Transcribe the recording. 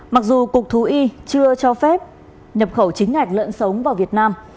mặc dù cục thú y chưa cho phép nhập khẩu chính ngạch lợn sống vào việt nam